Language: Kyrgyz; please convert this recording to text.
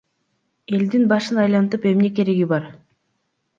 Элдин башын айлантып эмне кереги бар?